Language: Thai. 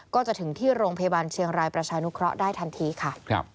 ก็จะถึงที่โรงพยาบาลเชียงรายประชานุเคราะห์ได้ทันทีค่ะ